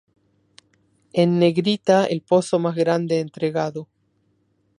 En negrita el pozo más grande entregado